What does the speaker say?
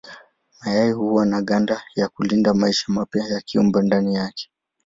Mayai huwa na ganda ya kulinda maisha mapya ya kiumbe ndani yake.